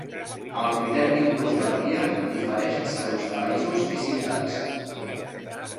El criteri d'inclusió a la guia difereix segons països i ciutats.